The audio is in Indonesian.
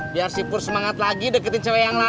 biar sipur semangat lagi deketin cewek yang lain